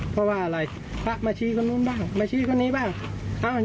เพราะว่าอะไรพระมาชี้คนนู้นบ้างมาชี้คนนี้บ้าง